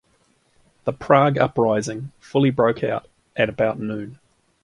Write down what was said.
The Prague Uprising fully broke out at about noon.